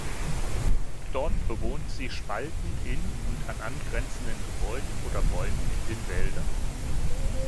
Dort bewohnt sie Spalten in und an angrenzenden Gebäuden oder Bäumen in den Wäldern.